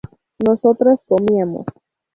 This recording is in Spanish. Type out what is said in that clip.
nosotras comíamos